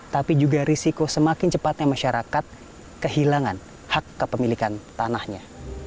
tapi juga risiko semakin cepatnya masyarakat kehilangan hak kepemilikan tanahnya